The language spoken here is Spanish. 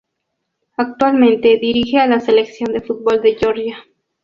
Actualmente dirige a la Selección de fútbol de Georgia.